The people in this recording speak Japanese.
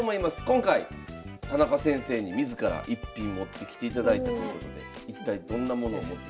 今回田中先生に自ら逸品持ってきていただいてますので一体どんなものを持ってきて。